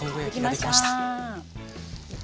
できました。